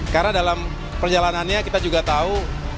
karena dalam perjalanannya kita juga tahu